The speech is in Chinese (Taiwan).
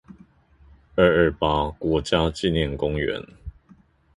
二二八國家紀念公園